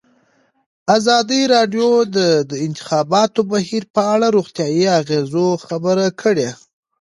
ازادي راډیو د د انتخاباتو بهیر په اړه د روغتیایي اغېزو خبره کړې.